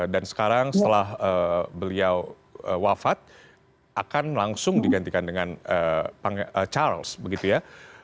dan sekarang setelah beliau wafat akan langsung digantikan dengan charles begitu ya